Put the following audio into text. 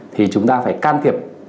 thì chúng ta phải can thiệp